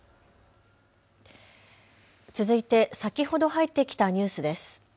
続いて先ほど入ってきたニュースです。